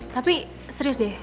tapi serius deh